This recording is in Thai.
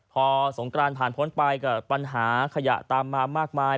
พอสงกรานผ่านพ้นไปก็ปัญหาขยะตามมามากมาย